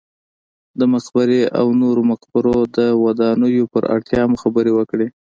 د مقبرې او نورو مقبرو د ودانولو پر اړتیا مو خبرې وکړې.